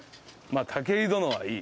あ武井殿はいい。